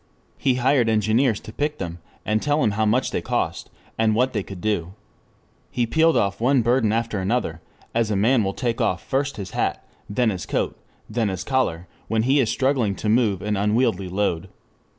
He hired engineers to pick them, and tell him how much they cost and what they could do. He peeled off one burden after another, as a man will take off first his hat, then his coat, then his collar, when he is struggling to move an unwieldy load.